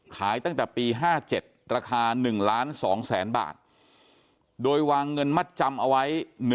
ขายตั้งแต่ปี๕๗ราคา๑ล้าน๒แสนบาทโดยวางเงินมัดจำเอาไว้